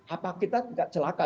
apa kita tidak celaka